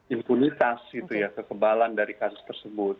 impunitas gitu ya kekebalan dari kasus tersebut